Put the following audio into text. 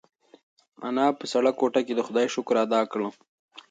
انا په سړه کوټه کې د خدای شکر ادا کړ.